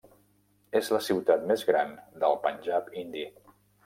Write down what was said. És la ciutat més gran del Panjab indi.